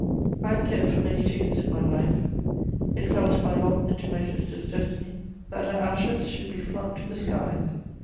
I have cared for many tombs in my life: it fell to my lot and to my sister's destiny that her ashes should be flung to the skies.